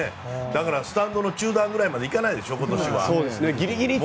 だからスタンドの中段ぐらいまでいかないでしょ、今年は。